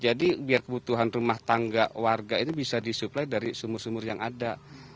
jadi biar kebutuhan rumah tangga warga itu bisa disuplai dari sumur sumur yang ada